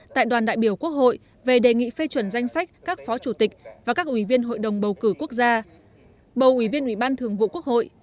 tại đoàn đại biểu quốc hội về đề nghị phê chuẩn danh sách các phó chủ tịch và các ủy viên hội đồng bầu cử quốc gia bầu ủy viên ủy ban thường vụ quốc hội